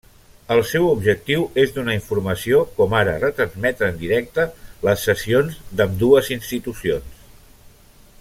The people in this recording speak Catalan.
El seu objectiu és donar informació, com ara retransmetre en directe les sessions, d'ambdues institucions.